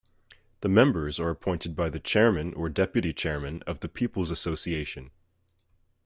The members are appointed by the Chairman or Deputy Chairman of the People's Association.